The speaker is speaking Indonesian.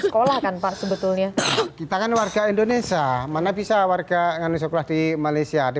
sekolah kan pak sebetulnya kita kan warga indonesia mana bisa warga sekolah di malaysia di